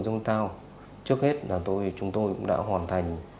đó là thứ lạ set